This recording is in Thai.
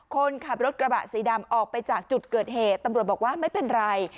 คนขับรถกระบะสีดำออกไปจากจุดเกิดเหตุตำรวจบอกว่าไม่เป็นไร